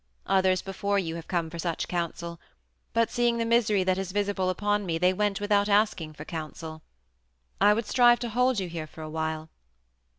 Others before you have come for such counsel, but seeing the misery that is visible upon me they went without asking for counsel: I would strive to hold you here for a while.